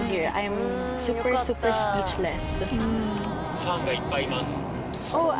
ファンがいっぱいいます。